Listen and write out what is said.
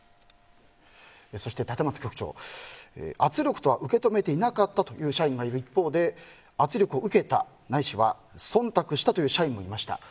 そして、立松局長圧力とは受け止めていなかったという社員がいる一方で圧力を受けた、ないしは忖度したという社員もいました。